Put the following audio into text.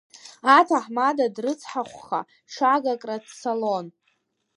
Аҭаҳмада дрыцҳахәха ҽагакра дцалон.